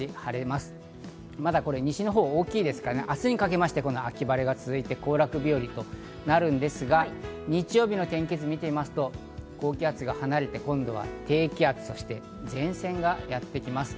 まだ西のほう、大きいですから、明日にかけて秋晴れが続いて行楽日和となるんですが、日曜日の天気図を見てみますと、高気圧が離れて、今度は低気圧、そして前線がやってきます。